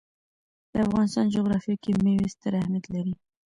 د افغانستان جغرافیه کې مېوې ستر اهمیت لري.